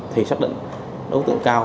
thì xác định đối tượng cao